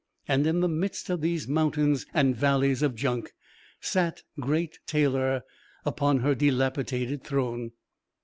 And in the midst of these mountains and valleys of junk sat Great Taylor upon her dilapidated throne.